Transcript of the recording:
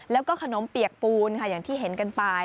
แล้วก็ขนมเปียกปูนค่ะอย่างที่เห็นกันไป